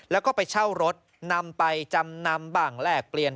แล้วก็ไปเช่ารถนำไปจำนำบ้างแลกเปลี่ยน